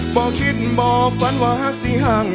บ่คิดบ่ฝันว่าหักสิหัง